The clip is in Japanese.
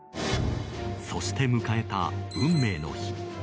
そして迎えた、運命の日。